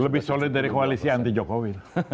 lebih solid dari koalisi anti jokowi